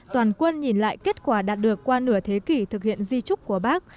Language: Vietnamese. toàn quân nhìn lại kết quả đạt được qua nửa thế kỷ thực hiện di trúc của bác